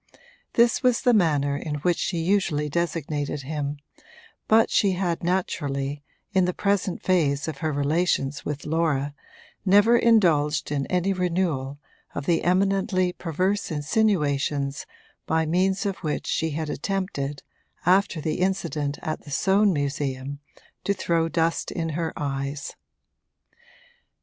This was the manner in which she usually designated him, but she had naturally, in the present phase of her relations with Laura, never indulged in any renewal of the eminently perverse insinuations by means of which she had attempted, after the incident at the Soane Museum, to throw dust in her eyes.